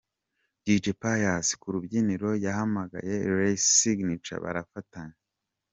Dj Pius ku rubyiniro yahamagaye Ray Signature barafatanya.